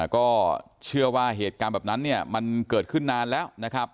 ก็เชื่อว่าเหตุการณ์แบบนั้นเนี่ยมันเกิดขึ้นนานแล้วนะครับ